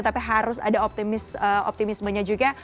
tapi harus ada optimismenya juga